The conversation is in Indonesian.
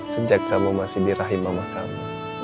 sejak kamu masih di rahim mama kamu